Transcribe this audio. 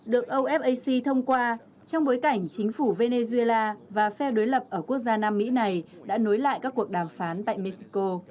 được ofac thông qua trong bối cảnh chính phủ venezuela và phe đối lập ở quốc gia nam mỹ này đã nối lại các cuộc đàm phán tại mexico